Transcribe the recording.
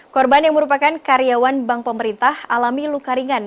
korban yang merupakan karyawan bank pemerintah alami luka ringan